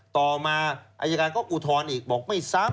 ต่อมาอายการก็อุทธรณ์อีกบอกไม่ซ้ำ